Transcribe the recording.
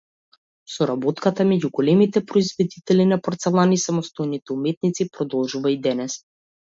Соработката меѓу големите производители на порцелан и самостојните уметници продолжува и денес.